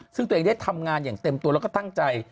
ซึ่งตัวเองได้ทำงานอย่างเต็มตัวแล้วก็ตั้งใจ